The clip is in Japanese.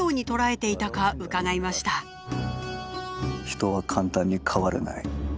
人は簡単に変われない。